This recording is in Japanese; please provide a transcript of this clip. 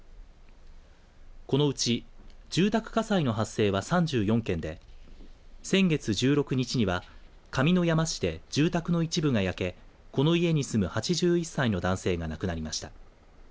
このうち住宅火災の発生は３４件で先月１６日には上山市で住宅の一部が焼けこの家に住む８１歳の男性が亡くなりました。